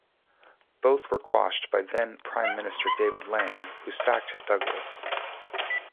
Both were quashed by then Prime Minister David Lange, who sacked Douglas.